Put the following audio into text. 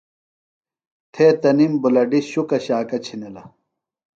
تھے تںِم بُلَڈیۡ شُکہ شاکہ چِھنِلہ۔